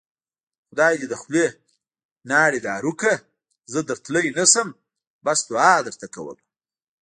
خدای دې د خولې لاړې دارو کړه زه درتلی نشم بس دوعا درته کوومه